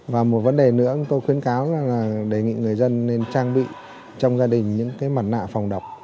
và một vấn đề nữa tôi khuyến cáo là đề nghị người dân nên trang bị trong gia đình những cái mặt nạ phòng độc